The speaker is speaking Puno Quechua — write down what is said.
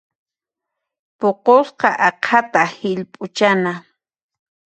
Puqusqa aqhata hillp'uchana.